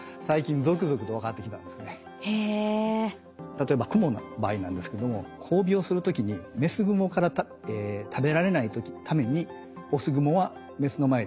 例えばクモの場合なんですけども交尾をする時にメスグモから食べられないためにオスグモはメスの前で死んだふりをするとか。